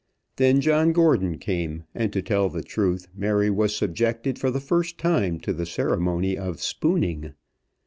Then John Gordon came, and, to tell the truth, Mary was subjected for the first time to the ceremony of spooning.